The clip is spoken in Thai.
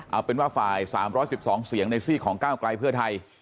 เอาเป็นว่าฝ่าย๓๑๒เสียงในซีกของก้าวไกลเพื่อไทย